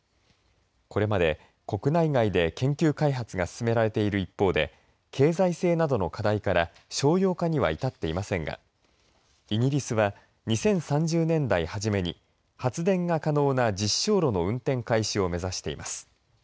これまで、国内外で研究開発が進められている一方で経済性などの課題から商用化には至っていませんがイギリスは２０３０年代初めに発電が可能な実証炉の運転開始を目指しています。